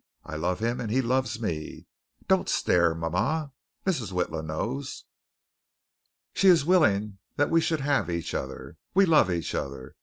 I love him and he loves me. Don't stare, mama. Mrs. Witla knows. She is willing that we should have each other. We love each other.